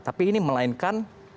tapi ini melainkan